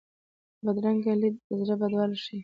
بدرنګه لید د زړه بدوالی ښيي